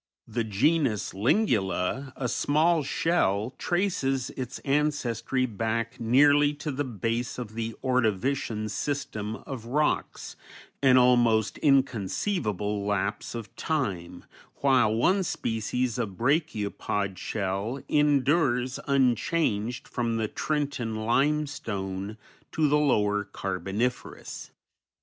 The genus Lingula, a small shell, traces its ancestry back nearly to the base of the Ordovician system of rocks, an almost inconceivable lapse of time, while one species of brachiopod shell endures unchanged from the Trenton Limestone to the Lower Carboniferous.